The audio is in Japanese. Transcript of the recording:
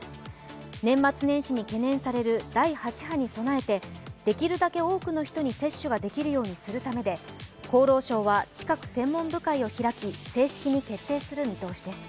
年末年始に懸念される第８波に備えてできるだけ多くの人に接種ができるようにするためで厚労省は近く専門部会を開き正式に決定する見通しです。